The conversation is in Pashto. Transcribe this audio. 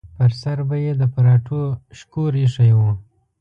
پر سر به یې د پراټو شکور ایښی و.